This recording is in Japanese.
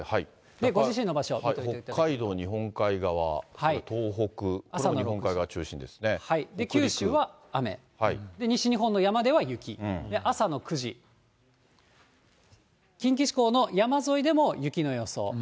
ご自身の場所、北海道日本海側、東北、九州は雨、西日本の山では雪、朝の９時、近畿地方の山沿いでも雪の予想、